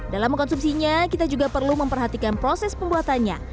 dalam mengkonsumsinya kita juga perlu memperhatikan proses pembuatannya